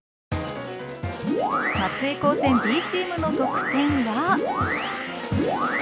松江高専Ｂチームの得点は。